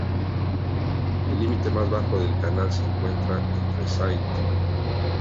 El límite más bajo del canal se encuentra entre St.